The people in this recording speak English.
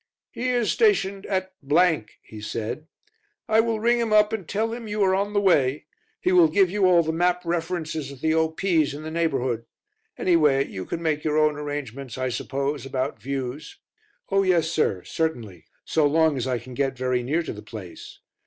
"He is stationed at ," he said. "I will ring him up and tell him you are on the way. He will give you all the map references of the O.P.'s in the neighbourhood. Anyway, you can make your own arrangements, I suppose, about views?" "Oh, yes, sir, certainly, so long as I can get very near to the place."